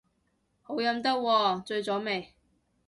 好飲得喎，醉咗未